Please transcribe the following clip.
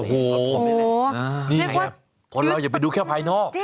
นี่คือคนเราอย่าไปดูแค่ภายนอก